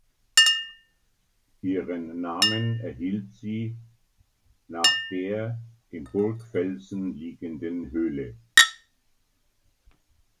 Ihren Namen erhielt sie nach der im Burgfelsen liegenden Höhle.